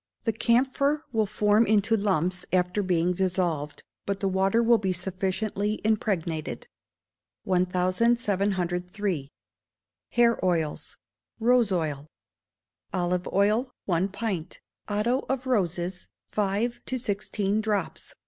The camphor will form into lumps after being dissolved, but the water will be sufficiently impregnated. 1703. Hair Oils. Rose Oil. Olive oil, one pint; otto of roses, five to sixteen drops.